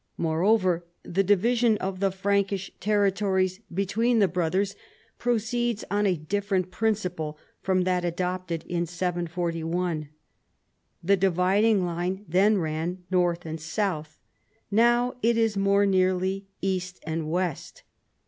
Moreover, the division of the Prankish ter ritories between the brothers proceeds on a different principle from tliat adopted in 741. The dividing line then ran north and south : now it is more nearly east and west.